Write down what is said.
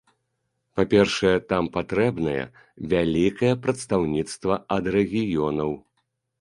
Па-першае, там патрэбнае вялікае прадстаўніцтва ад рэгіёнаў.